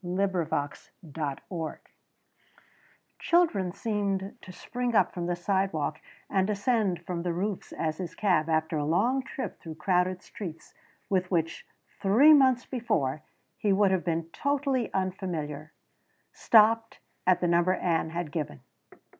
CHAPTER XXXIII Children seemed to spring up from the sidewalk and descend from the roofs as his cab, after a long trip through crowded streets with which three months before he would have been totally unfamiliar, stopped at the number Ann had given.